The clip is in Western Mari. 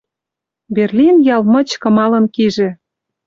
Берлин ял мыч кымалын кижӹ.